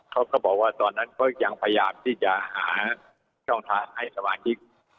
เขาก็บอกว่าตอนนั้นก็ยังพยายามที่จะหาช่องทางให้สมาชิก